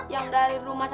yang dari rumah sakit